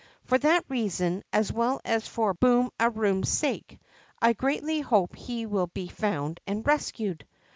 For that reason, as well as for Boom a Koom's sake, I greatly hope he will be found and rescued.